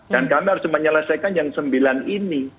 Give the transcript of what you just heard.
dan kami harus menyelesaikan yang sembilan ini